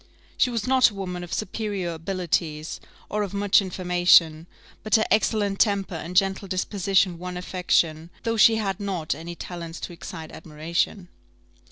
She was not a woman of superior abilities, or of much information; but her excellent temper and gentle disposition won affection, though she had not any talents to excite admiration.